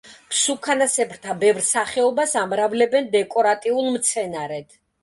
მსუქანასებრთა ბევრ სახეობას ამრავლებენ დეკორატიულ მცენარედ.